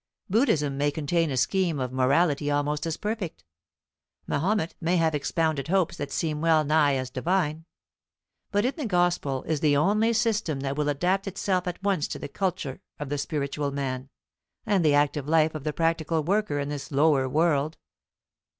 Buddhism may contain a scheme of morality almost as perfect; Mahomet may have expounded hopes that seem well nigh as divine; but in the Gospel is the only system that will adapt itself at once to the culture of the spiritual man, and the active life of the practical worker in this lower world.